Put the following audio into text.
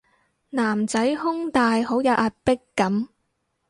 男仔胸大好有壓迫感